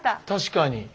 確かに。